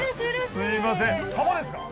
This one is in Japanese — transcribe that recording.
すいませんハモですか？